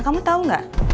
kamu tahu nggak